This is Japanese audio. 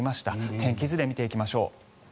天気図で見ていきましょう。